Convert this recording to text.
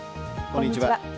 こんにちは。